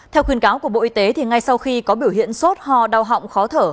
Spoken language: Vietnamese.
theo khuyên cáo của bộ y tế thì ngay sau khi có biểu hiện sốt ho đau họng khó thở